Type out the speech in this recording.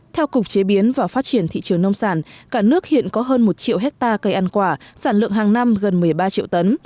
theo cục chế biến và phát triển thị trường nông sản cả nước hiện có hơn một triệu hectare cây ăn quả sản lượng hàng năm gần một mươi ba triệu tấn